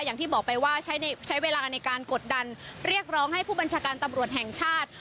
อย่างที่บอกไปว่าใช้เวลาในการกดดันเรียกร้องให้ผู้บัญชาการตำรวจแห่งชาติ